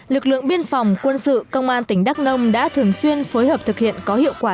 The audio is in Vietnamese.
lực lượng biên phòng quân sự công an tỉnh đắk nông đã thường xuyên phối hợp thực hiện có hiệu quả